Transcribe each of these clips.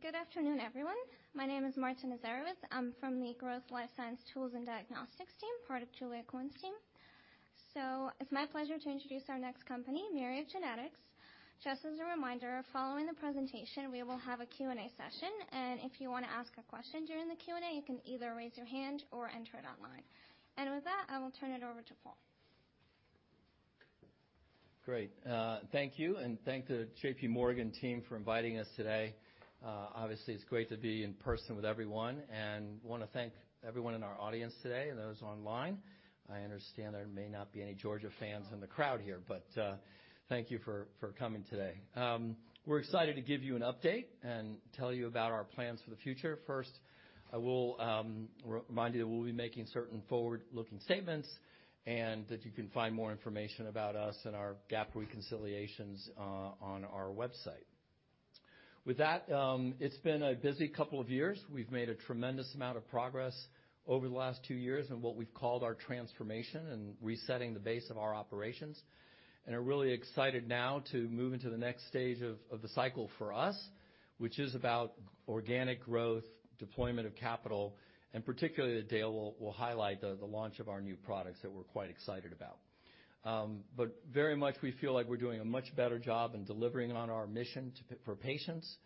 Good afternoon, everyone. My name is Marta Nazarovets. I'm from the Growth Life Science Tools and Diagnostics team, part of Julia Cohen's team. It's my pleasure to introduce our next company, Myriad Genetics. Just as a reminder, following the presentation, we will have a Q&A session, and if you wanna ask a question during the Q&A, you can either raise your hand or enter it online. With that, I will turn it over to Paul. Great. Thank you, thank the JPMorgan team for inviting us today. Obviously it's great to be in person with everyone and wanna thank everyone in our audience today and those online. I understand there may not be any Georgia fans in the crowd here, thank you for coming today. We're excited to give you an update and tell you about our plans for the future. First, I will remind you that we'll be making certain forward-looking statements, that you can find more information about us and our GAAP reconciliations on our website. With that, it's been a busy couple of years. We've made a tremendous amount of progress over the last two years in what we've called our transformation and resetting the base of our operations. Are really excited now to move into the next stage of the cycle for us, which is about organic growth, deployment of capital, and particularly that Dale will highlight the launch of our new products that we're quite excited about. Very much we feel like we're doing a much better job in delivering on our mission for patients,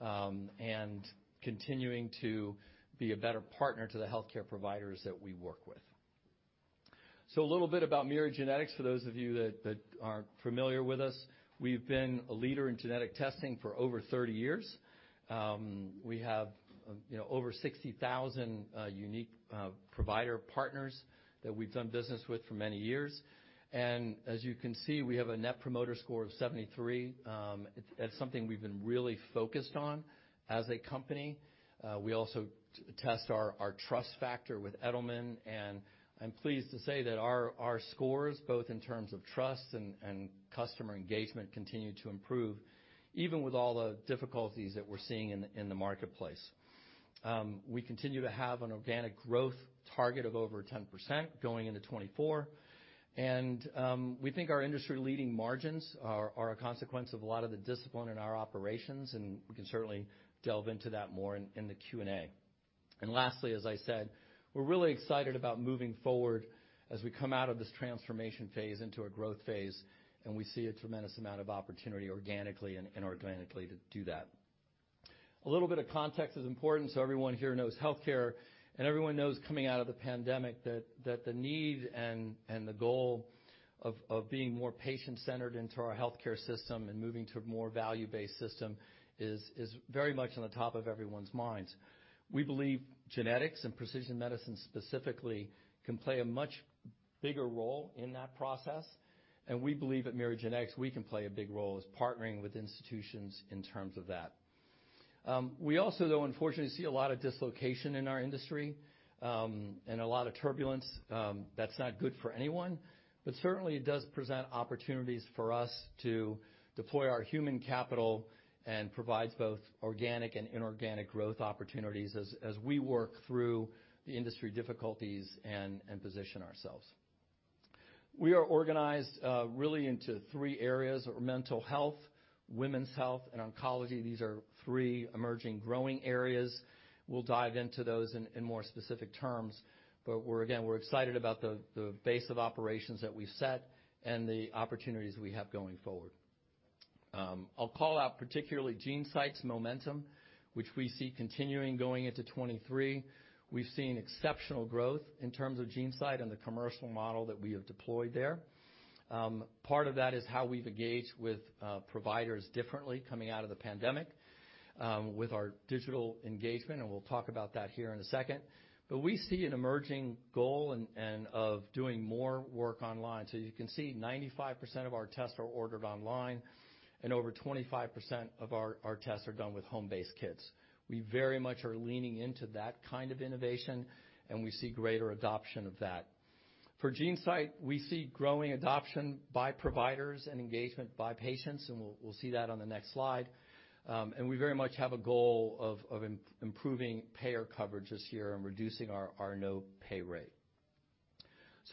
and continuing to be a better partner to the healthcare providers that we work with. A little bit about Myriad Genetics for those of you that aren't familiar with us. We've been a leader in genetic testing for over 30 years. We have, you know, over 60,000 unique provider partners that we've done business with for many years. As you can see, we have a Net Promoter Score of 73. That's something we've been really focused on as a company. We also test our trust factor with Edelman, I'm pleased to say that our scores, both in terms of trust and customer engagement, continue to improve even with all the difficulties that we're seeing in the marketplace. We continue to have an organic growth target of over 10% going into 2024. We think our industry-leading margins are a consequence of a lot of the discipline in our operations, and we can certainly delve into that more in the Q&A. Lastly, as I said, we're really excited about moving forward as we come out of this transformation phase into a growth phase, and we see a tremendous amount of opportunity organically and inorganically to do that. A little bit of context is important, so everyone here knows healthcare, and everyone knows coming out of the pandemic that the need and the goal of being more patient-centered into our healthcare system and moving to a more value-based system is very much on the top of everyone's minds. We believe genetics and precision medicine specifically can play a much bigger role in that process, and we believe at Myriad Genetics, we can play a big role as partnering with institutions in terms of that. We also, though, unfortunately see a lot of dislocation in our industry, and a lot of turbulence, that's not good for anyone, but certainly it does present opportunities for us to deploy our human capital and provides both organic and inorganic growth opportunities as we work through the industry difficulties and position ourselves. We are organized really into three areas: mental health, women's health, and oncology. These are three emerging, growing areas. We'll dive into those in more specific terms, but we're, again, we're excited about the base of operations that we've set and the opportunities we have going forward. I'll call out particularly GeneSight's momentum, which we see continuing going into 2023. We've seen exceptional growth in terms of GeneSight and the commercial model that we have deployed there. Part of that is how we've engaged with providers differently coming out of the pandemic, with our digital engagement, and we'll talk about that here in a second. We see an emerging goal and of doing more work online. You can see 95% of our tests are ordered online, and over 25% of our tests are done with home-based kits. We very much are leaning into that kind of innovation, and we see greater adoption of that. For GeneSight, we see growing adoption by providers and engagement by patients, and we'll see that on the next slide. And we very much have a goal of improving payer coverage this year and reducing our no pay rate.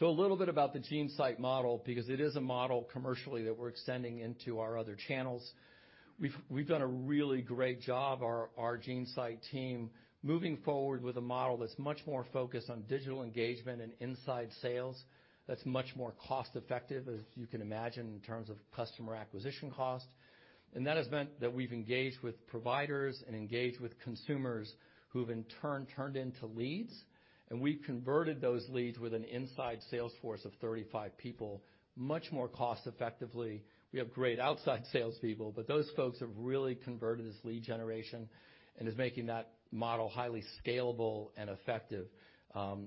A little bit about the GeneSight model because it is a model commercially that we're extending into our other channels. We've done a really great job, our GeneSight team, moving forward with a model that's much more focused on digital engagement and inside sales that's much more cost effective, as you can imagine, in terms of customer acquisition cost. That has meant that we've engaged with providers and engaged with consumers who have in turn, turned into leads, and we've converted those leads with an inside sales force of 35 people, much more cost effectively. We have great outside salespeople, those folks have really converted as lead generation and is making that model highly scalable and effective.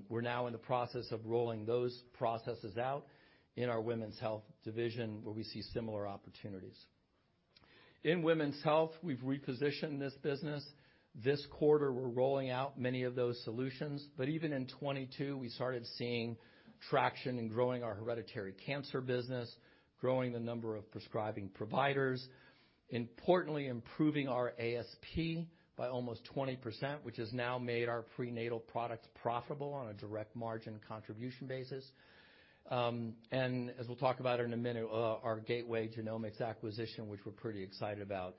We're now in the process of rolling those processes out in our women's health division where we see similar opportunities. In women's health, we've repositioned this business. This quarter, we're rolling out many of those solutions. Even in 2022, we started seeing traction in growing our hereditary cancer business. Growing the number of prescribing providers, importantly, improving our ASP by almost 20%, which has now made our prenatal products profitable on a direct margin contribution basis. As we'll talk about in a minute, our Gateway Genomics acquisition, which we're pretty excited about.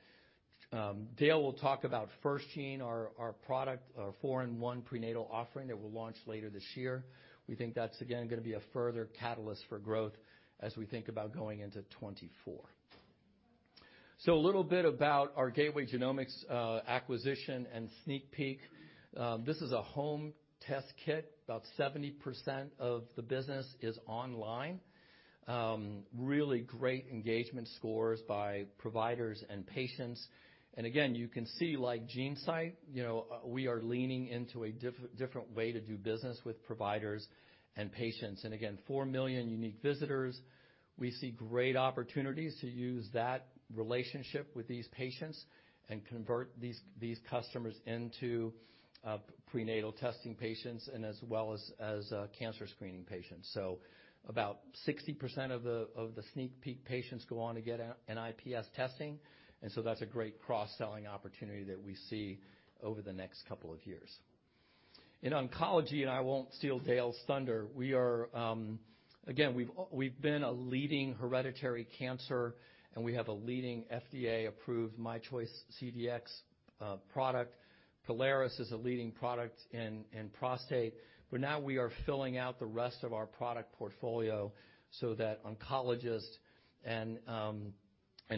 Dale will talk about FirstGene, our product, our four-in-one prenatal offering that we'll launch later this year. We think that's again gonna be a further catalyst for growth as we think about going into 2024. A little bit about our Gateway Genomics acquisition and SneakPeek. This is a home test kit. About 70% of the business is online. Really great engagement scores by providers and patients. Again, you can see like GeneSight, you know, we are leaning into a different way to do business with providers and patients. Again, 4 million unique visitors. We see great opportunities to use that relationship with these patients and convert these customers into prenatal testing patients and as well as cancer screening patients. About 60% of the SneakPeek patients go on to get NIPS testing, that's a great cross-selling opportunity that we see over the next couple of years. In oncology, I won't steal Dale's thunder, we are, again, we've been a leading hereditary cancer, and we have a leading FDA-approved myChoice CDx product. Prolaris is a leading product in prostate, now we are filling out the rest of our product portfolio so that oncologists and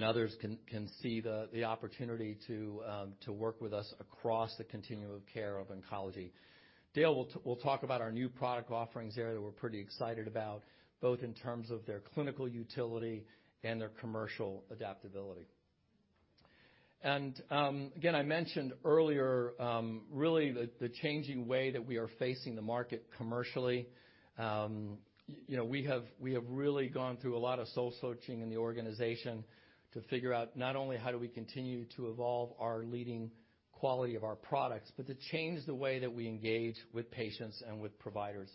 others can see the opportunity to work with us across the continuum of care of oncology. Dale will talk about our new product offerings there that we're pretty excited about, both in terms of their clinical utility and their commercial adaptability. Again, I mentioned earlier, really the changing way that we are facing the market commercially. You know, we have really gone through a lot of soul-searching in the organization to figure out not only how do we continue to evolve our leading quality of our products, but to change the way that we engage with patients and with providers.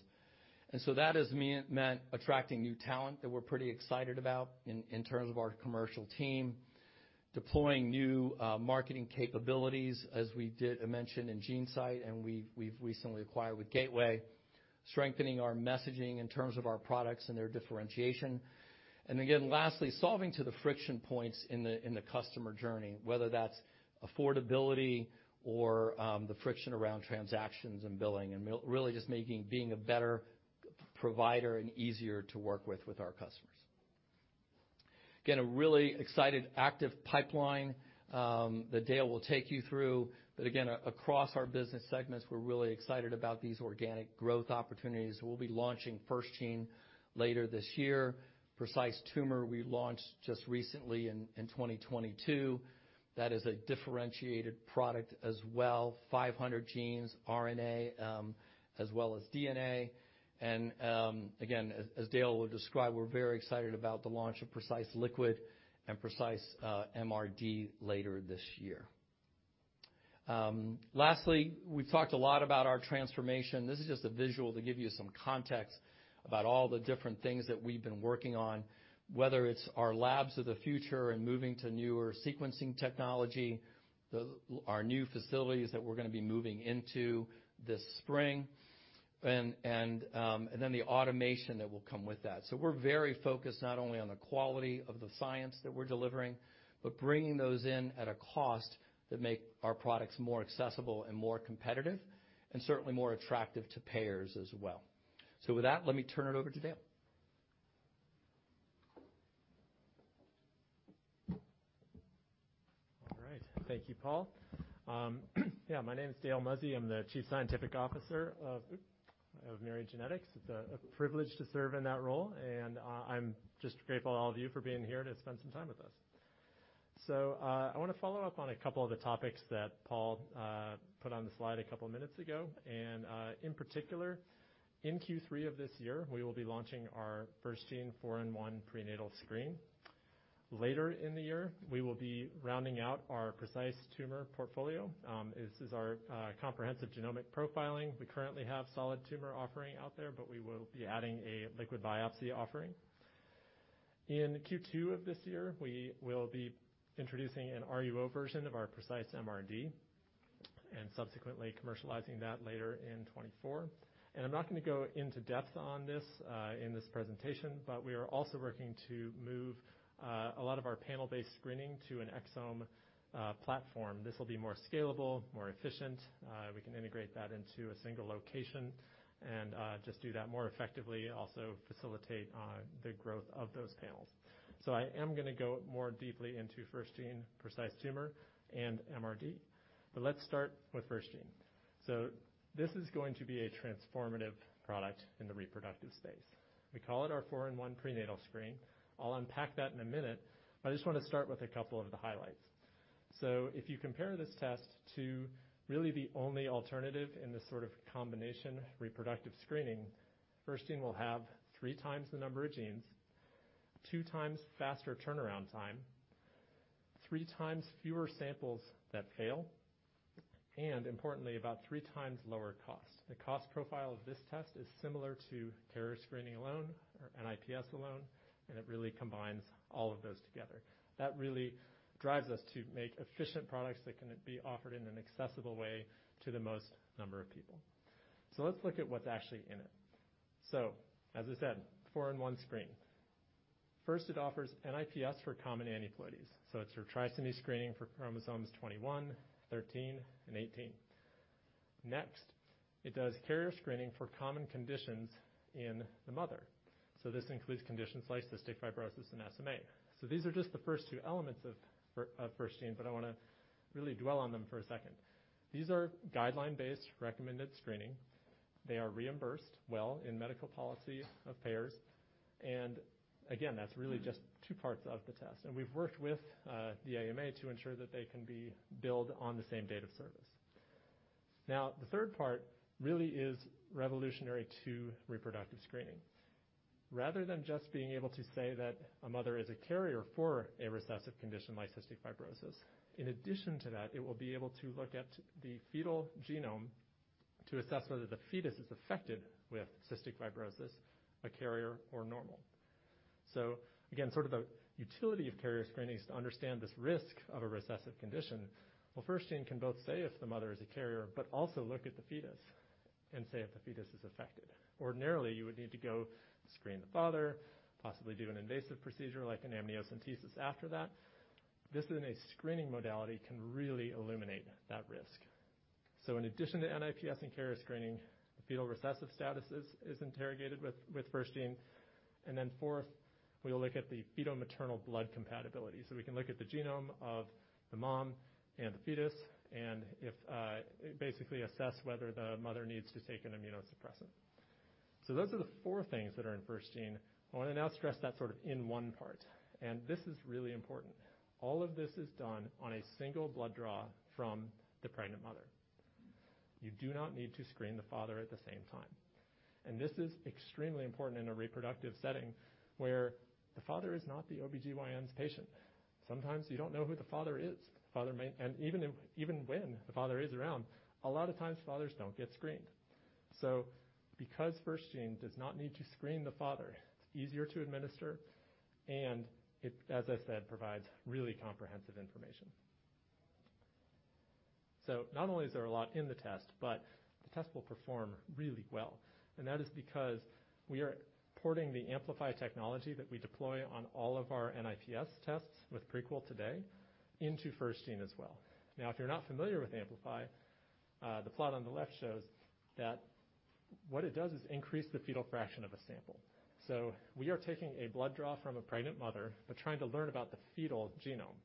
That has meant attracting new talent that we're pretty excited about in terms of our commercial team. Deploying new marketing capabilities, as we did, I mentioned in GeneSight, and we've recently acquired with Gateway. Strengthening our messaging in terms of our products and their differentiation. And again, lastly, solving to the friction points in the customer journey, whether that's affordability or the friction around transactions and billing, really just making being a better provider and easier to work with our customers. Again, a really excited active pipeline that Dale will take you through. Again, across our business segments, we're really excited about these organic growth opportunities. We'll be launching FirstGene later this year. Precise Tumor we launched just recently in 2022. That is a differentiated product as well, 500 genes, RNA, as well as DNA. Again, as Dale will describe, we're very excited about the launch of Precise Liquid and Precise MRD later this year. Lastly, we've talked a lot about our transformation. This is just a visual to give you some context about all the different things that we've been working on, whether it's our labs of the future and moving to newer sequencing technology, our new facilities that we're gonna be moving into this spring, and then the automation that will come with that. We're very focused not only on the quality of the science that we're delivering, but bringing those in at a cost that make our products more accessible and more competitive, and certainly more attractive to payers as well. With that, let me turn it over to Dale. All right. Thank you, Paul. My name is Dale Muzzey. I'm the Chief Scientific Officer of Myriad Genetics. It's a privilege to serve in that role, and I'm just grateful to all of you for being here to spend some time with us. I wanna follow up on a couple of the topics that Paul put on the slide a couple minutes ago. In particular, in Q3 of this year, we will be launching our FirstGene four-in-one prenatal screen. Later in the year, we will be rounding out our Precise Tumor portfolio. This is our comprehensive genomic profiling. We currently have solid tumor offering out there, but we will be adding a liquid biopsy offering. In Q2 of this year, we will be introducing an RUO version of our Precise MRD, and subsequently commercializing that later in 2024. I'm not gonna go into depth on this in this presentation, but we are also working to move a lot of our panel-based screening to an exome platform. This will be more scalable, more efficient. We can integrate that into a single location and just do that more effectively, also facilitate the growth of those panels. I am gonna go more deeply into FirstGene Precise Tumor and MRD, but let's start with FirstGene. This is going to be a transformative product in the reproductive space. We call it our four-in-one prenatal screen. I'll unpack that in a minute, but I just wanna start with a couple of the highlights. If you compare this test to really the only alternative in this sort of combination reproductive screening, FirstGene will have three times the number of genes, two times faster turnaround time. Three times fewer samples that fail, and importantly, about three times lower cost. The cost profile of this test is similar to carrier screening alone or NIPS alone, and it really combines all of those together. That really drives us to make efficient products that can be offered in an accessible way to the most number of people. Let's look at what's actually in it. As I said, four-in-one screen. First, it offers NIPS for common aneuploidies. It's your trisomy screening for chromosomes 21, 13, and 18. Next, it does carrier screening for common conditions in the mother. This includes conditions like cystic fibrosis and SMA. These are just the first two elements of FirstGene, but I wanna really dwell on them for a second. These are guideline-based recommended screening. They are reimbursed well in medical policy of payers. Again, that's really just two parts of the test. We've worked with the AMA to ensure that they can be billed on the same date of service. Now, the third part really is revolutionary to reproductive screening. Rather than just being able to say that a mother is a carrier for a recessive condition like cystic fibrosis, in addition to that, it will be able to look at the fetal genome to assess whether the fetus is affected with cystic fibrosis, a carrier or normal. Again, sort of the utility of carrier screening is to understand this risk of a recessive condition. Well, FirstGene can both say if the mother is a carrier but also look at the fetus and say if the fetus is affected. Ordinarily, you would need to go screen the father, possibly do an invasive procedure like an amniocentesis after that. This, in a screening modality, can really eliminate that risk. In addition to NIPS and carrier screening, fetal recessive status is interrogated with FirstGene. Fourth, we'll look at the fetal-maternal blood compatibility. We can look at the genome of the mom and the fetus, and if, basically assess whether the mother needs to take an immunosuppressant. Those are the four things that are in FirstGene. I wanna now stress that sort of in one part, and this is really important. All of this is done on a single blood draw from the pregnant mother. You do not need to screen the father at the same time. This is extremely important in a reproductive setting where the father is not the OBGYN's patient. Sometimes you don't know who the father is. Even when the father is around, a lot of times fathers don't get screened. Because FirstGene does not need to screen the father, it's easier to administer, and it, as I said, provides really comprehensive information. Not only is there a lot in the test, but the test will perform really well, and that is because we are porting the Amplify technology that we deploy on all of our NIPS tests with Prequel today into FirstGene as well. Now, if you're not familiar with Amplify, the plot on the left shows that what it does is increase the fetal fraction of a sample. We are taking a blood draw from a pregnant mother, but trying to learn about the fetal genome.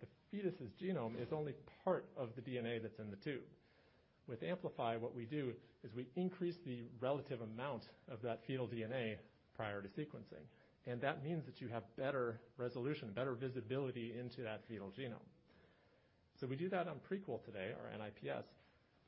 The fetus's genome is only part of the DNA that's in the tube. With Amplify, what we do is we increase the relative amount of that fetal DNA prior to sequencing, and that means that you have better resolution, better visibility into that fetal genome. We do that on Prequel today, our NIPS.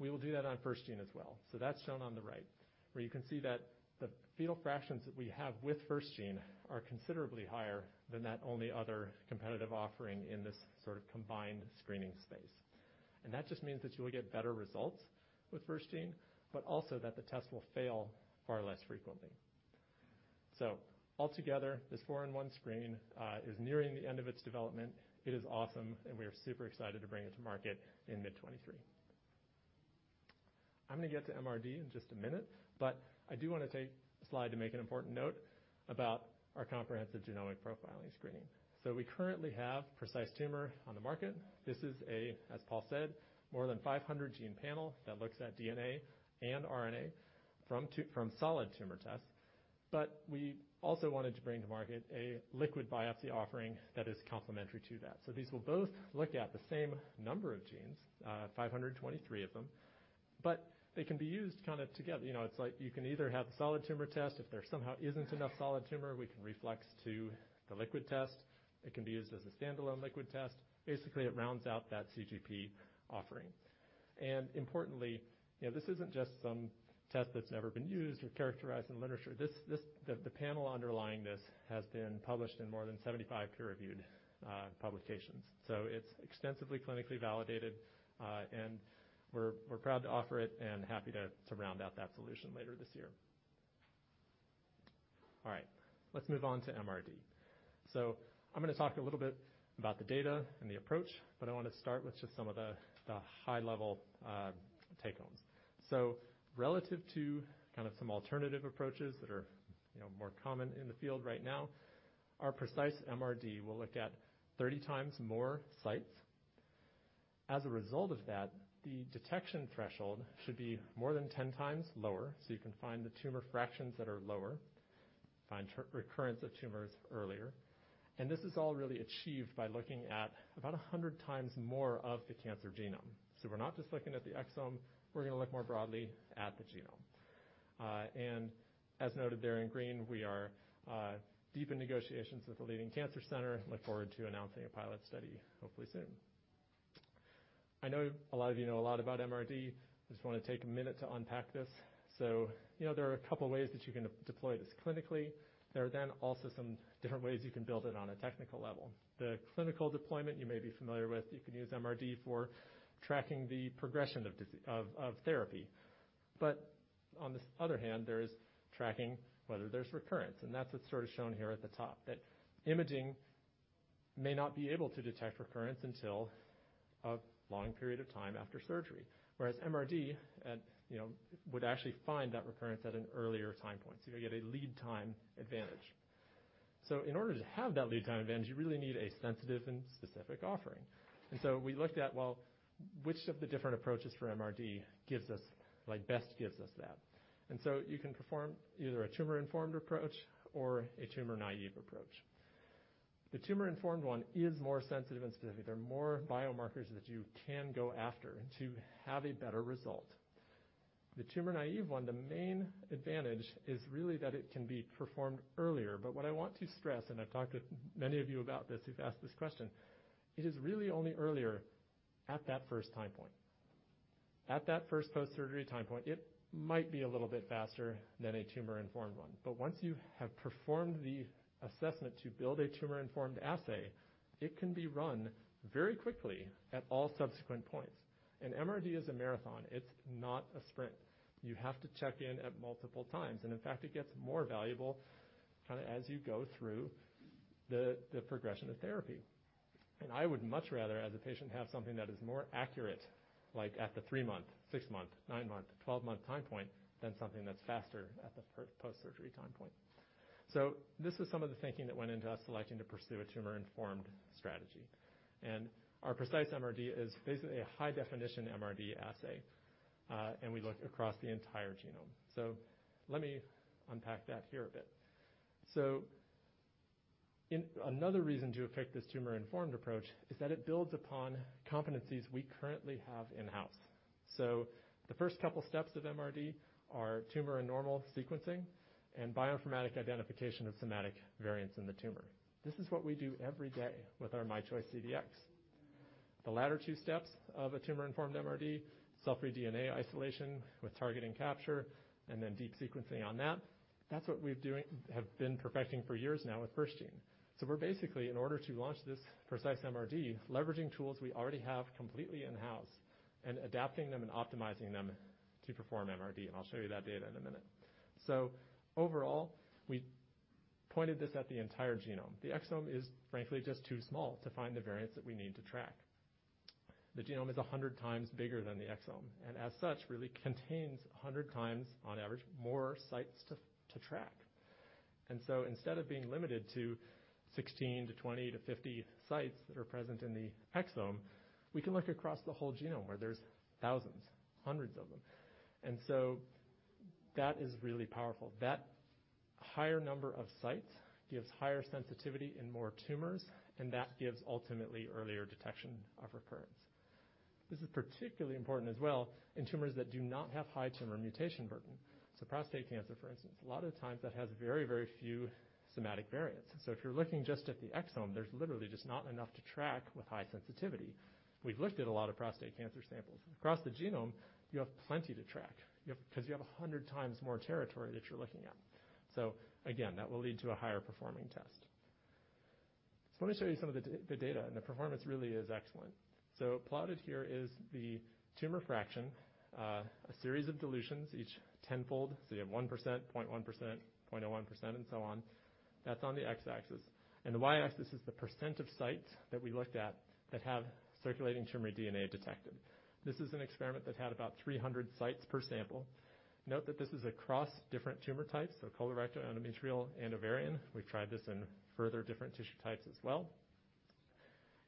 We will do that on FirstGene as well. That's shown on the right, where you can see that the fetal fractions that we have with FirstGene are considerably higher than that only other competitive offering in this sort of combined screening space. That just means that you will get better results with FirstGene, but also that the test will fail far less frequently. Altogether, this four-in-one screen is nearing the end of its development. It is awesome, and we are super excited to bring it to market in mid 2023. I'm gonna get to MRD in just a minute. I do want to take a slide to make an important note about our comprehensive genomic profiling screening. We currently have Precise Tumor on the market. This is a, as Paul said, more than 500 gene panel that looks at DNA and RNA from solid tumor tests. We also wanted to bring to market a liquid biopsy offering that is complementary to that. These will both look at the same number of genes, 523 of them, but they can be used kind of together. You know, it's like you can either have the solid tumor test. If there somehow isn't enough solid tumor, we can reflex to the liquid test. It can be used as a standalone liquid test. Basically, it rounds out that CGP offering. Importantly, you know, this isn't just some test that's never been used or characterized in literature. The panel underlying this has been published in more than 75 peer-reviewed publications. It's extensively clinically validated, and we're proud to offer it and happy to round out that solution later this year. All right. Let's move on to MRD. I'm gonna talk a little bit about the data and the approach, but I want to start with just some of the high level take homes. Relative to kind of some alternative approaches that are, you know, more common in the field right now, our Precise MRD will look at 30 times more sites. As a result of that, the detection threshold should be more than 10 times lower, so you can find the tumor fractions that are lower, find recurrence of tumors earlier. This is all really achieved by looking at about 100 times more of the cancer genome. We're not just looking at the exome, we're gonna look more broadly at the genome. And as noted there in green, we are deep in negotiations with a leading cancer center. Look forward to announcing a pilot study hopefully soon. I know a lot of you know a lot about MRD. I just want to take a minute to unpack this. You know, there are a couple of ways that you can deploy this clinically. There are also some different ways you can build it on a technical level. The clinical deployment you may be familiar with, you can use MRD for tracking the progression of therapy. On the other hand, there is tracking whether there's recurrence, and that's what's sort of shown here at the top, that imaging may not be able to detect recurrence until a long period of time after surgery. Whereas MRD, you know, would actually find that recurrence at an earlier time point. You get a lead time advantage. In order to have that lead time advantage, you really need a sensitive and specific offering. We looked at, well, which of the different approaches for MRD gives us... like best gives us that? You can perform either a tumor-informed approach or a tumor-naive approach. The tumor-informed one is more sensitive and specific. There are more biomarkers that you can go after to have a better result. The tumor-naive one, the main advantage is really that it can be performed earlier. What I want to stress, and I've talked to many of you about this who've asked this question, it is really only earlier at that first time point. At that first post-surgery time point, it might be a little bit faster than a tumor-informed one. Once you have performed the assessment to build a tumor-informed assay, it can be run very quickly at all subsequent points. MRD is a marathon. It's not a sprint. You have to check in at multiple times, in fact, it gets more valuable kind of as you go through the progression of therapy. I would much rather, as a patient, have something that is more accurate, like at the 3-month, 6-month, 9-month, 12-month time point than something that's faster at the post-surgery time point. This is some of the thinking that went into us selecting to pursue a tumor-informed strategy. Our Precise MRD is basically a high-definition MRD assay, and we look across the entire genome. Let me unpack that here a bit. Another reason to affect this tumor-informed approach is that it builds upon competencies we currently have in-house. The first couple steps of MRD are tumor and normal sequencing and bioinformatic identification of somatic variants in the tumor. This is what we do every day with our myChoice CDx. The latter two steps of a tumor-informed MRD, cell-free DNA isolation with target and capture, and then deep sequencing on that, have been perfecting for years now with FirstGene. We're basically, in order to launch this Precise MRD, leveraging tools we already have completely in-house and adapting them and optimizing them to perform MRD. I'll show you that data in a minute. Overall, we pointed this at the entire genome. The exome is, frankly, just too small to find the variants that we need to track. The genome is 100 times bigger than the exome, and as such, really contains 100 times, on average, more sites to track. Instead of being limited to 16 to 20 to 50 sites that are present in the exome, we can look across the whole genome where there's thousands, hundreds of them. That is really powerful. That higher number of sites gives higher sensitivity in more tumors, and that gives ultimately earlier detection of recurrence. This is particularly important as well in tumors that do not have high tumor mutation burden. Prostate cancer, for instance, a lot of the times that has very, very few somatic variants. If you're looking just at the exome, there's literally just not enough to track with high sensitivity. We've looked at a lot of prostate cancer samples. Across the genome, you have plenty to track. You have, 'cause you have 100 times more territory that you're looking at. Again, that will lead to a higher performing test. Let me show you some of the data, and the performance really is excellent. Plotted here is the tumor fraction, a series of dilutions, each 10-fold. You have 1%, 0.1%, 0.01%, and so on. That's on the x-axis. The y-axis is the % of sites that we looked at that have circulating tumor DNA detected. This is an experiment that had about 300 sites per sample. Note that this is across different tumor types, so colorectal, endometrial, and ovarian. We've tried this in further different tissue types as well.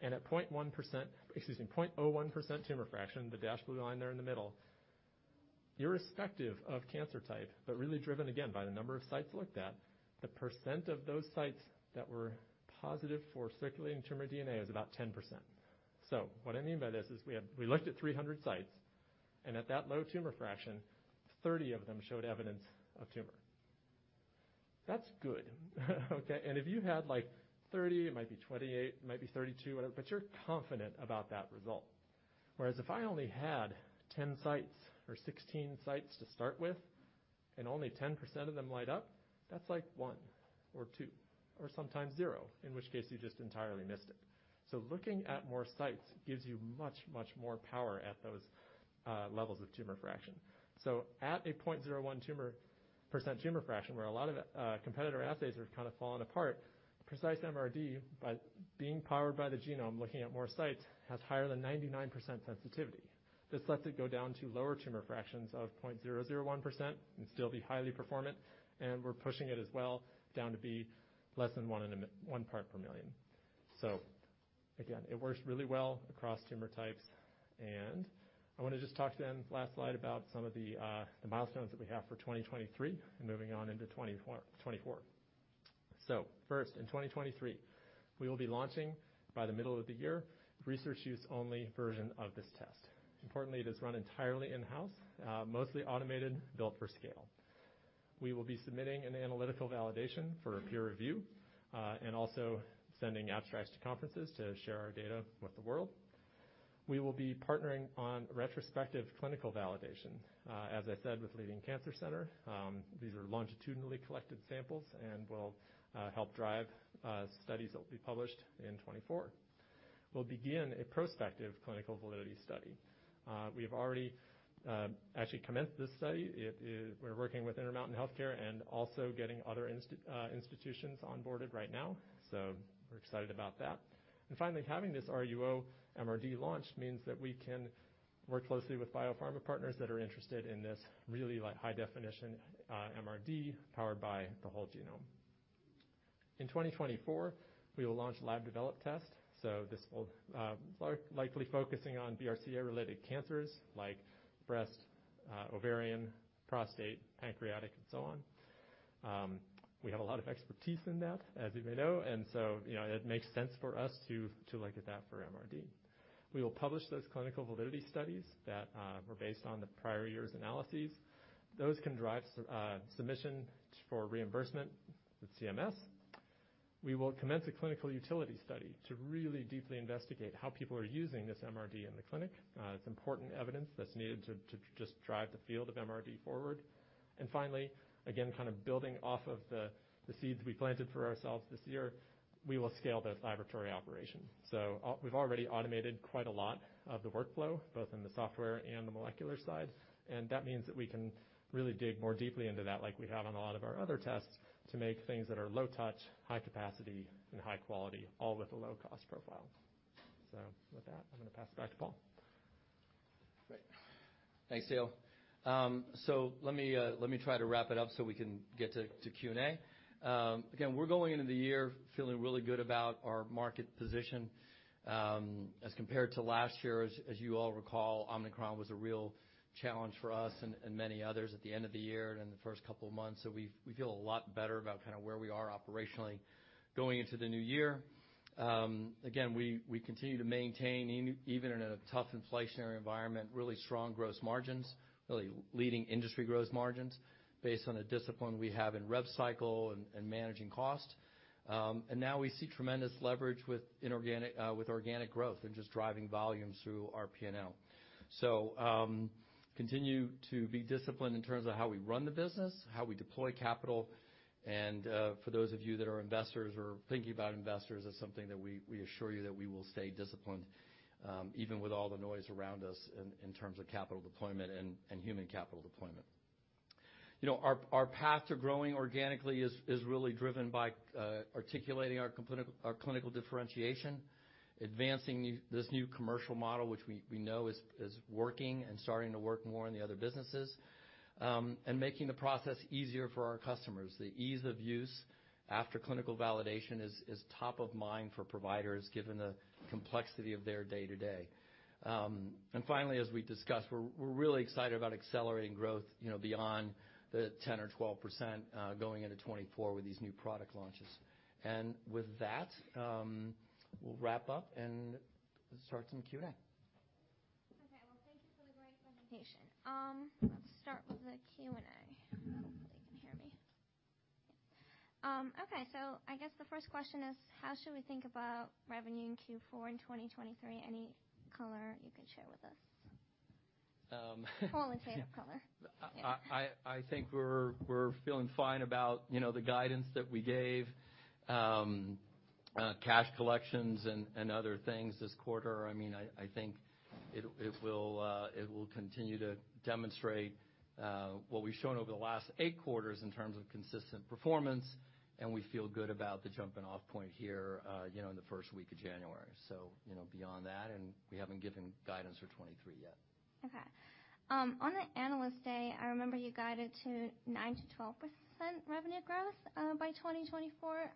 At 0.1%, excuse me, 0.01% tumor fraction, the dashed blue line there in the middle, irrespective of cancer type, but really driven again by the number of sites looked at, the percent of those sites that were positive for circulating tumor DNA is about 10%. What I mean by this is we looked at 300 sites, and at that low tumor fraction, 30 of them showed evidence of tumor. That's good. Okay? If you had like 30, it might be 28, it might be 32, whatever, but you're confident about that result. If I only had 10 sites or 16 sites to start with, and only 10% of them light up, that's like one or two or sometimes zero, in which case you just entirely missed it. Looking at more sites gives you much, much more power at those levels of tumor fraction. At a 0.01% tumor fraction, where a lot of competitor assays are kind of falling apart, Precise MRD, by being powered by the genome, looking at more sites, has higher than 99% sensitivity. This lets it go down to lower tumor fractions of 0.001% and still be highly performant, and we're pushing it as well down to be less than one part per million. Again, it works really well across tumor types. I wanna just talk then, last slide, about some of the milestones that we have for 2023 and moving on into 2024. First, in 2023, we will be launching by the middle of the year, research use only version of this test. Importantly, it is run entirely in-house, mostly automated, built for scale. We will be submitting an analytical validation for peer review, also sending abstracts to conferences to share our data with the world. We will be partnering on retrospective clinical validation, as I said, with leading cancer center. These are longitudinally collected samples and will help drive studies that will be published in 2024. We'll begin a prospective clinical validity study. We've already actually commenced this study. We're working with Intermountain Health and also getting other institutions onboarded right now, we're excited about that. Finally, having this RUO MRD launch means that we can work closely with biopharma partners that are interested in this really like high definition MRD powered by the whole genome. In 2024, we will launch laboratory-developed test, this will likely focusing on BRCA related cancers like breast, ovarian, prostate, pancreatic, and so on. We have a lot of expertise in that, as you may know, you know, it makes sense for us to look at that for MRD. We will publish those clinical validity studies that were based on the prior years analyses. Those can drive submission for reimbursement with CMS. We will commence a clinical utility study to really deeply investigate how people are using this MRD in the clinic. It's important evidence that's needed to just drive the field of MRD forward. Finally, again, kind of building off of the seeds we planted for ourselves this year, we will scale this laboratory operation. We've already automated quite a lot of the workflow, both in the software and the molecular side, and that means that we can really dig more deeply into that like we have on a lot of our other tests to make things that are low touch, high capacity and high quality, all with a low cost profile. With that, I'm gonna pass it back to Paul. Great. Thanks, Dale. Let me try to wrap it up so we can get to Q&A. Again, we're going into the year feeling really good about our market position as compared to last year. As you all recall, Omicron was a real challenge for us and many others at the end of the year and in the first couple of months. We feel a lot better about kind of where we are operationally going into the new year. Again, we continue to maintain even in a tough inflationary environment, really strong gross margins, really leading industry gross margins based on the discipline we have in revenue cycle and managing cost. Now we see tremendous leverage with organic growth and just driving volume through our P&L. Continue to be disciplined in terms of how we run the business, how we deploy capital, for those of you that are investors or thinking about investors, that's something that we assure you that we will stay disciplined, even with all the noise around us in terms of capital deployment and human capital deployment. You know, our path to growing organically is really driven by articulating our clinical differentiation, advancing this new commercial model, which we know is working and starting to work more in the other businesses, and making the process easier for our customers. The ease of use after clinical validation is top of mind for providers, given the complexity of their day-to-day. Finally, as we discussed, we're really excited about accelerating growth, you know, beyond the 10% or 12% going into 2024 with these new product launches. With that, we'll wrap up and start some Q&A. Okay. Well, thank you for the great presentation. Let's start with the Q&A. Hopefully, you can hear me. Okay. I guess the first question is, how should we think about revenue in Q4 in 2023? Any color you can share with us? Um, Qualitative color. I think we're feeling fine about, you know, the guidance that we gave, cash collections and other things this quarter. I mean, I think it will continue to demonstrate what we've shown over the last eight quarters in terms of consistent performance, and we feel good about the jumping off point here, you know, in the first week of January. You know, beyond that, and we haven't given guidance for 23 yet. Okay. On the Analyst Day, I remember you guided to 9%-12% revenue growth by 2024.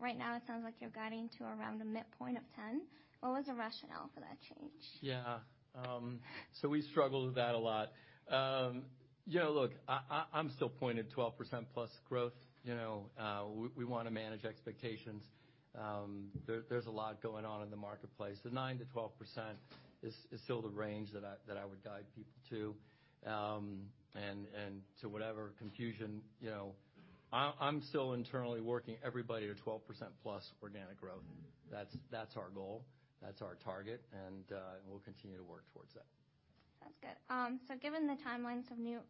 Right now it sounds like you're guiding to around the midpoint of 10. What was the rationale for that change? Yeah. We struggled with that a lot. You know, look, I'm still pointed 12%+ growth. You know, we wanna manage expectations. There's a lot going on in the marketplace. The 9%-12% is still the range that I would guide people to. To whatever confusion, you know, I'm still internally working everybody to 12%+ organic growth. That's our goal, that's our target, and we'll continue to work towards that. That's good.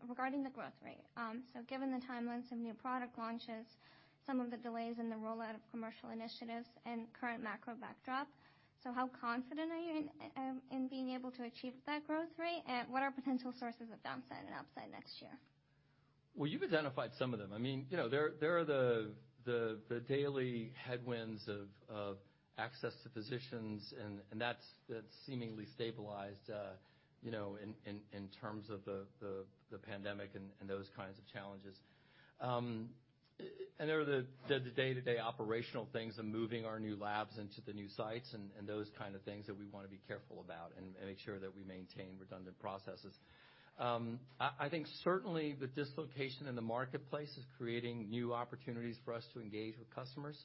Regarding the growth rate, given the timelines of new product launches, some of the delays in the rollout of commercial initiatives and current macro backdrop, how confident are you in being able to achieve that growth rate? What are potential sources of downside and upside next year? Well, you've identified some of them. I mean, you know, there are the daily headwinds of access to physicians and that's seemingly stabilized, you know, in terms of the pandemic and those kinds of challenges. There are the day-to-day operational things of moving our new labs into the new sites and those kind of things that we wanna be careful about and make sure that we maintain redundant processes. I think certainly the dislocation in the marketplace is creating new opportunities for us to engage with customers.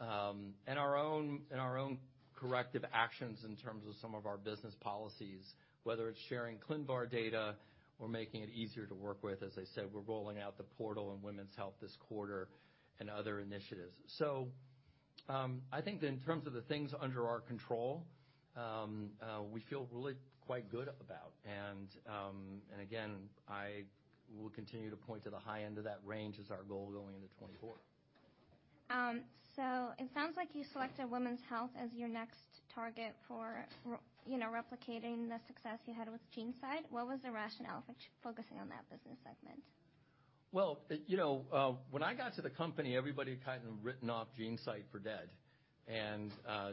Our own corrective actions in terms of some of our business policies, whether it's sharing ClinVar data or making it easier to work with. As I said, we're rolling out the portal in women's health this quarter and other initiatives. I think that in terms of the things under our control, we feel really quite good about. Again, I will continue to point to the high end of that range as our goal going into 2024. It sounds like you selected women's health as your next target for you know, replicating the success you had with GeneSight. What was the rationale for focusing on that business segment? Well, you know, when I got to the company, everybody had kind of written off GeneSight for dead.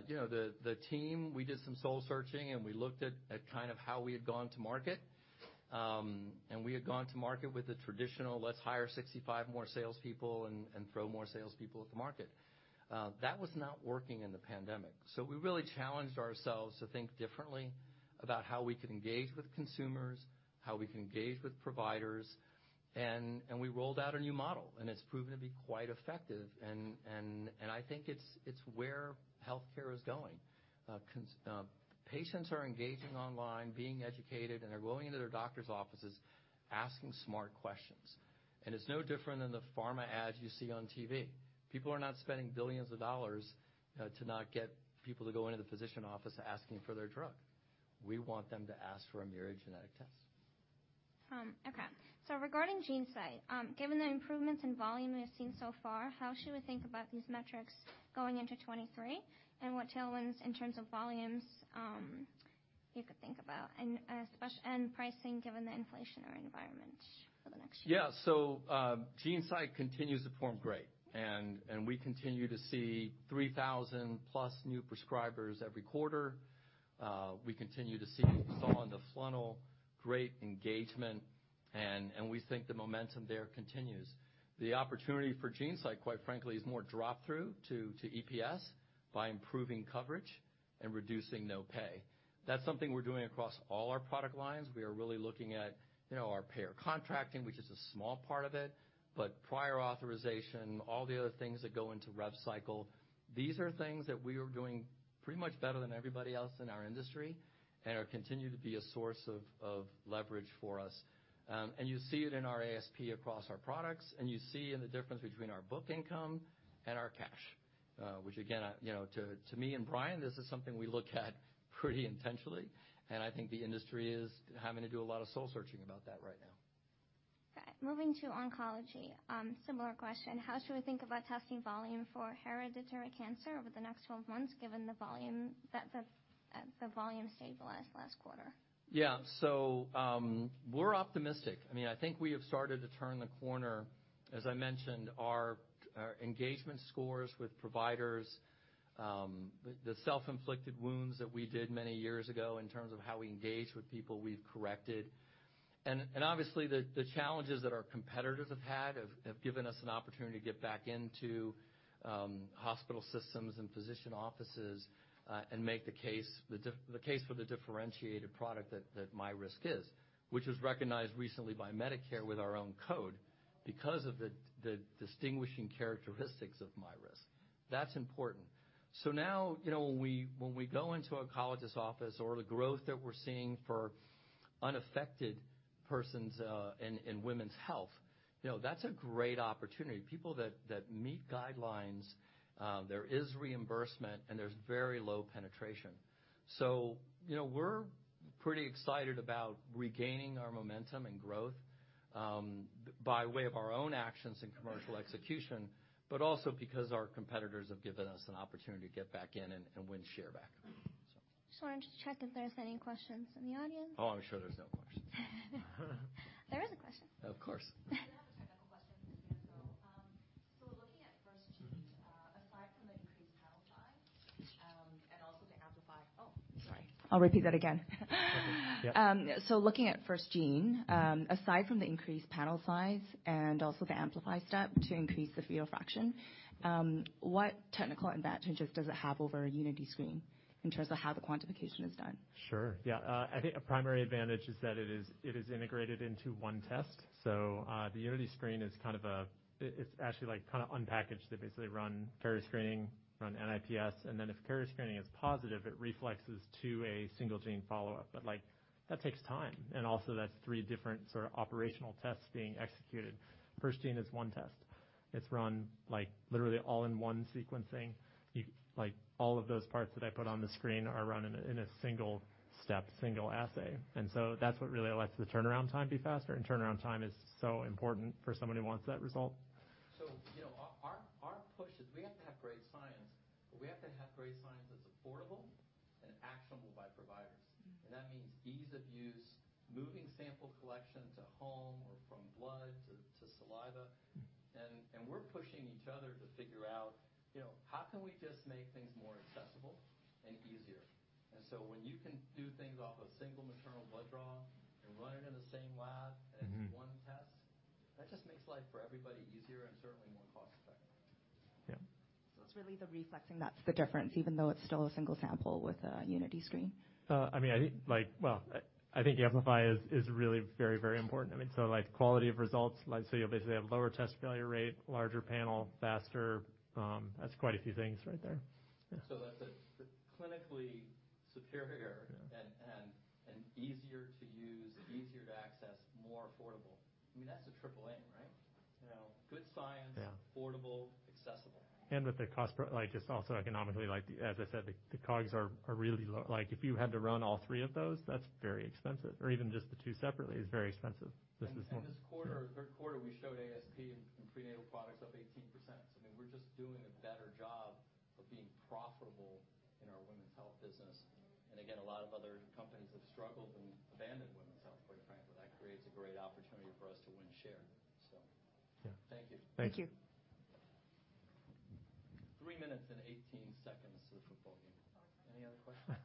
You know, the team, we did some soul searching, and we looked at kind of how we had gone to market. We had gone to market with the traditional, let's hire 65 more salespeople and throw more salespeople at the market. That was not working in the pandemic. We really challenged ourselves to think differently about how we could engage with consumers, how we can engage with providers. We rolled out a new model, and it's proven to be quite effective. I think it's where healthcare is going. Patients are engaging online, being educated, and they're going into their doctor's offices asking smart questions. It's no different than the pharma ads you see on TV. People are not spending billions of dollars to not get people to go into the physician office asking for their drug. We want them to ask for a Myriad genetic test. Okay. Regarding GeneSight, given the improvements in volume we've seen so far, how should we think about these metrics going into 2023? What tailwinds in terms of volumes, you could think about, and pricing given the inflationary environment for the next year? GeneSight continues to form great, and we continue to see 3,000 plus new prescribers every quarter. We continue to see saw in the funnel, great engagement, and we think the momentum there continues. The opportunity for GeneSight, quite frankly, is more drop through to EPS by improving coverage and reducing no pay. That's something we're doing across all our product lines. We are really looking at, you know, our payer contracting, which is a small part of it, but prior authorization, all the other things that go into revenue cycle. These are things that we are doing pretty much better than everybody else in our industry and are continue to be a source of leverage for us. You see it in our ASP across our products, and you see in the difference between our book income and our cash, which again, You know, to me and Brian, this is something we look at pretty intentionally, and I think the industry is having to do a lot of soul searching about that right now. Okay. Moving to oncology. Similar question. How should we think about testing volume for hereditary cancer over the next 12 months, given that the volume stabilized last quarter? We're optimistic. I mean, I think we have started to turn the corner. As I mentioned, our engagement scores with providers, the self-inflicted wounds that we did many years ago in terms of how we engage with people, we've corrected. Obviously, the challenges that our competitors have had have given us an opportunity to get back into hospital systems and physician offices and make the case, the case for the differentiated product that MyRisk is, which was recognized recently by Medicare with our own code because of the distinguishing characteristics of MyRisk. That's important. Now, you know, when we go into oncologist office or the growth that we're seeing for unaffected persons, in women's health, you know, that's a great opportunity. People that meet guidelines, there is reimbursement, and there's very low penetration. You know, we're pretty excited about regaining our momentum and growth, by way of our own actions and commercial execution, but also because our competitors have given us an opportunity to get back in and win share back. Just wanted to check if there's any questions in the audience? Oh, I'm sure there's no questions. There is a question. Of course. We have a technical question. Looking at FirstGene, aside from the increased panel size, and also the Amplify. Oh, sorry. I'll repeat that again. Okay. Yep. Looking at FirstGene, aside from the increased panel size and also the amplify step to increase the fetal fraction, what technical advantages does it have over Unity Screen in terms of how the quantification is done? Sure. Yeah. I think a primary advantage is that it is integrated into one test. The Unity Screen is actually like kinda unpackaged. They basically run carrier screening, run NIPS, and then if carrier screening is positive, it reflexes to a one gene follow-up. Like, that takes time, and also that's three different sort of operational tests being executed. FirstGene is one test. It's run, like, literally all in one sequencing. Like, all of those parts that I put on the screen are run in a single step, single assay. That's what really lets the turnaround time be faster, and turnaround time is so important for someone who wants that result. You know, our push is we have to have great science, but we have to have great science that's affordable and actionable by providers. That means ease of use, moving sample collection to home or from blood to saliva. We're pushing each other to figure out, you know, how can we just make things more accessible and easier? When you can do things off a single maternal blood draw and run it in the same lab. Mm-hmm. It's one test, that just makes life for everybody easier and certainly more cost-effective. It's really the reflexing that's the difference, even though it's still a single sample with a Unity Screen? I mean, I think, Well, I think Amplify is really very, very important. I mean, like quality of results, like, so you basically have lower test failure rate, larger panel, faster. That's quite a few things right there. Yeah. That's a clinically superior. Yeah. Easier to use, easier to access, more affordable. I mean, that's a triple aim, right? You know, good science. Yeah. affordable, accessible. Like, just also economically, like As I said, the COGS are really low. Like, if you had to run all three of those, that's very expensive. Even just the two separately is very expensive. This is more. This quarter, Q3, we showed ASP in prenatal products up 18%. I mean, we're just doing a better job of being profitable in our women's health business. Again, a lot of other companies have struggled and abandoned women's health, quite frankly. That creates a great opportunity for us to win share, so. Yeah. Thank you. Thank you. Thank you. Three minutes and 18 seconds to the football game. Any other questions?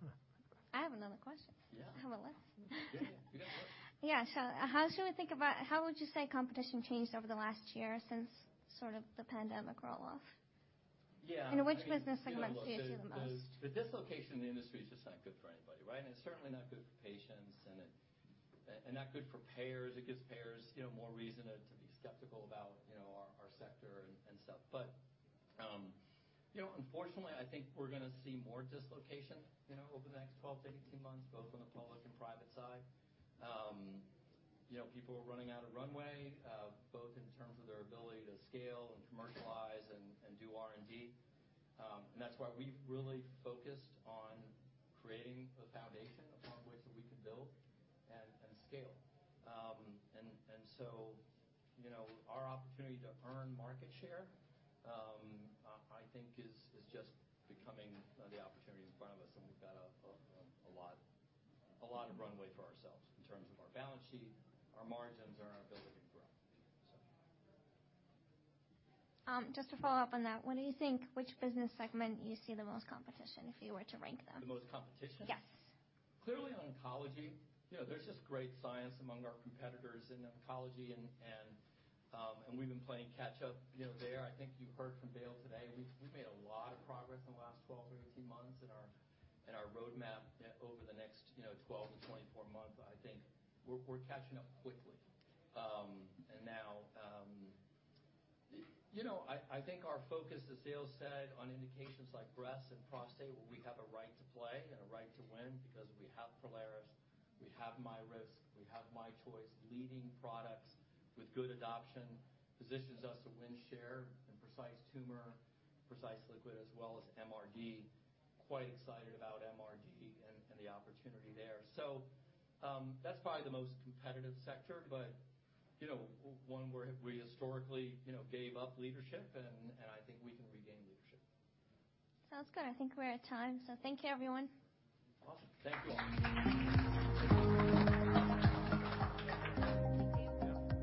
I have another question. Yeah. I have a list. Yeah, you got a list. Yeah. How would you say competition changed over the last year since sort of the pandemic roll-off? Yeah, I mean Which business segments do you see the most? The dislocation in the industry is just not good for anybody, right? It's certainly not good for patients and it's not good for payers. It gives payers, you know, more reason to be skeptical about, you know, our sector and stuff. Unfortunately, you know, I think we're gonna see more dislocation, you know, over the next 12 to 18 months, both on the public and private side. You know, people are running out of runway, both in terms of their ability to scale and commercialize and do R&D. That's why we've really focused on creating a foundation upon which that we can build and scale. You know, our opportunity to earn market share, I think is just becoming the opportunity in front of us, and we've got a lot of runway for ourselves in terms of our balance sheet, our margins and our ability to grow. Just to follow up on that, what do you think which business segment you see the most competition, if you were to rank them? The most competition? Yes. Clearly, oncology. You know, there's just great science among our competitors in oncology and we've been playing catch up, you know, there. I think you heard from Dale today. We've made a lot of progress in the last 12 to 18 months in our, in our roadmap over the next, you know, 12 to 24 months. I think we're catching up quickly. Now, you know, I think our focus, as Dale said, on indications like breast and prostate, where we have a right to play and a right to win because we have Prolaris, we have MyRisk, we have myChoice, leading products with good adoption, positions us to win share in Precise Tumor, Precise Liquid, as well as MRD. Quite excited about MRD and the opportunity there. That's probably the most competitive sector, but you know, one where we historically, you know, gave up leadership and I think we can regain leadership. Sounds good. I think we're at time, so thank you, everyone. Awesome. Thank you all.